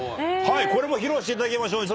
これも披露していただきましょう